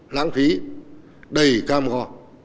lãng phí đầy cam gò